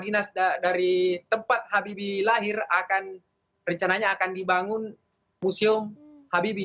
dari tempat habibie lahir rencananya akan dibangun museum habibie